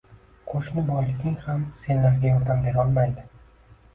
Qoʻshni boyliging ham senlarga yordam berolmaydi.